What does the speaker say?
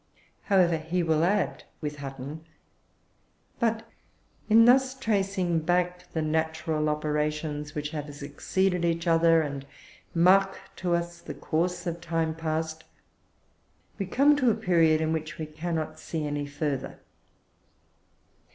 However, he will add, with Hutton, "But in thus tracing back the natural operations which have succeeded each other, and mark to us the course of time past, we come to a period in which we cannot see any further."